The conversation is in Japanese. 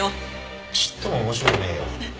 ちっとも面白くねえよ。